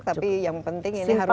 tapi yang penting ini harus